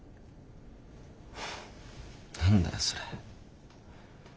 何だよそれ。